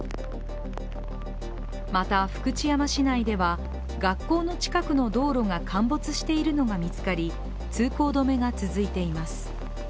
また福知山市内では学校の近くの道路が陥没しているのが見つかり通行止めが続いています。